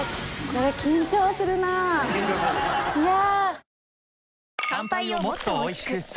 これ緊張するなぁいや！